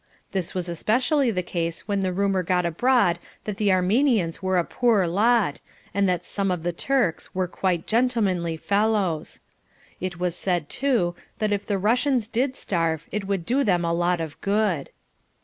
This was especially the case when the rumour got abroad that the Armenians were a poor lot and that some of the Turks were quite gentlemanly fellows. It was said, too, that if the Russians did starve it would do them a lot of good.